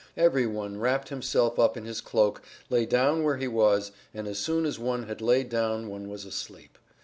Every one wrapped himself up in his cloak, lay down where he was, and as soon as one had laid down one was asleep.